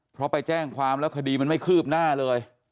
เพราะไปแจ้งความแล้วคดีมันไม่คืบหน้าเลย